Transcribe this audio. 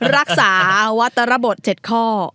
รักษาวัตรบท๗ข้อ